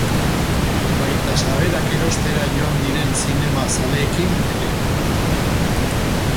Baita sarrerak erostera joan diren zinema zaleekin ere.